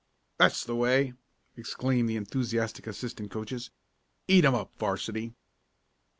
"That's the way!" exclaimed the enthusiastic assistant coaches. "Eat 'em up, 'varsity!"